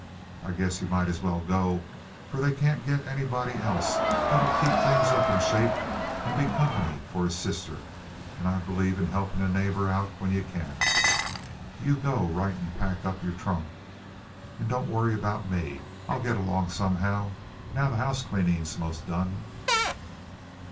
I guess yuh might as well go, fer they can't git anybody else that'll keep things up in shape an' be comp'ny fer his sister, an' I b'lieve in helpin' a neighbor out when yuh can. You go right an' pack up yer trunk, an' don't worry about me I'll git along somehow, now the house cleanin's most done."